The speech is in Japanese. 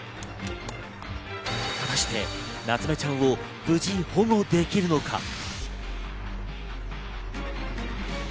果たして、なつめちゃんを無事保護できるのか。